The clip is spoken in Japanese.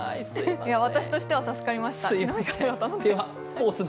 私としては助かりました。